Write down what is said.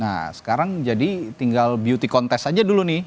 nah sekarang jadi tinggal beauty contest aja dulu nih